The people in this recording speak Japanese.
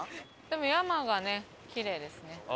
でも山がねキレイですね。